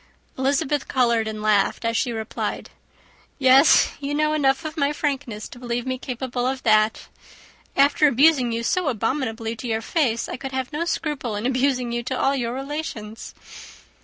Elizabeth coloured and laughed as she replied, "Yes, you know enough of my frankness to believe me capable of that. After abusing you so abominably to your face, I could have no scruple in abusing you to all your relations."